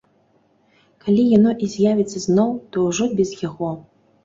Калі яно і з'явіцца зноў, то ўжо без яго.